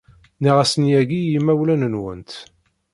Nniɣ-asen yagi i yimawlan-nwent.